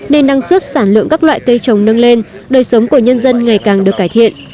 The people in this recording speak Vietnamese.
nên năng suất sản lượng các loại cây trồng nâng lên đời sống của nhân dân ngày càng được cải thiện